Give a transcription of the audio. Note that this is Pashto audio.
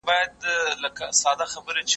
موضوع د شاګرد په خوښه ټاکل کېږي.